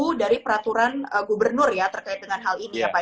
itu dari peraturan gubernur ya terkait dengan hal ini ya pak